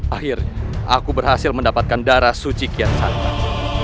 akhir aku berhasil mendapatkan darah suci kian santai